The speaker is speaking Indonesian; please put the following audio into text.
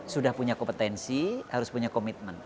sudah punya kompetensi harus punya komitmen